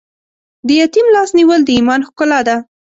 د یتیم لاس نیول د ایمان ښکلا ده.